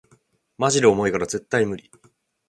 マジで重いから絶対ムリ